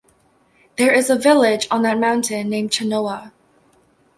There is a village on that mountain named Chenoua.